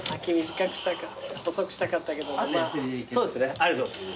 ありがとうございます。